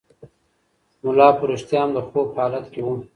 ملا په رښتیا هم د خوب په حالت کې و.